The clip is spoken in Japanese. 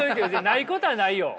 ないことはないよ。